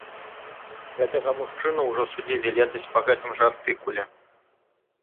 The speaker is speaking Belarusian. Гэтага мужчыну ўжо судзілі летась па гэтым жа артыкуле.